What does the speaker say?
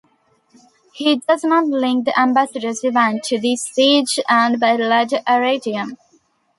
He does not link the ambassadors' event to the siege and battle at Arretium.